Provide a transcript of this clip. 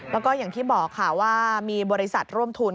แล้วก็อย่างที่บอกค่ะว่ามีบริษัทร่วมทุน